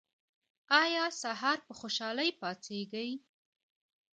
ایا سهار په خوشحالۍ پاڅیږئ؟